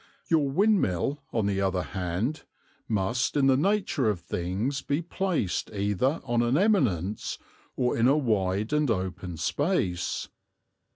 Your windmill, on the other hand, must in the nature of things be placed either on an eminence or in a wide and open space.